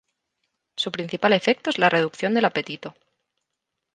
Su principal efecto es la reducción del apetito.